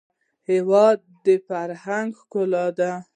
هېواد د فرهنګ ښکلا ده.